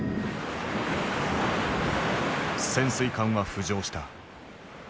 潜水艦は浮上した。